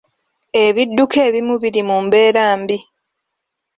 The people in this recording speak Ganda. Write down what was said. Ebidduka ebimu biri mu mbeera mbi.